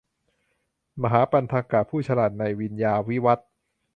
พระมหาปันถกะ ผู้ฉลาดในปัญญาวิวัฎ